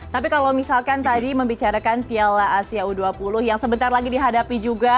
tapi kalau misalkan tadi membicarakan piala asia u dua puluh yang sebentar lagi dihadapi juga